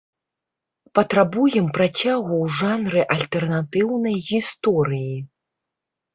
Патрабуем працягу ў жанры альтэрнатыўнай гісторыі!